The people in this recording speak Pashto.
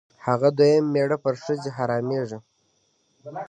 هغه دویم مېړه پر ښځې حرامېږي.